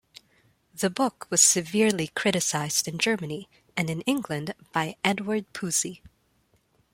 The book was severely criticized in Germany, and in England by Edward Pusey.